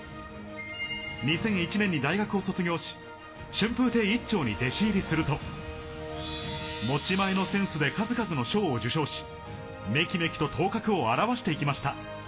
２００１年に大学を卒業し、春風亭一朝に弟子入りすると、持ち前のセンスで数々の賞を受賞し、めきめきと頭角を現していきました。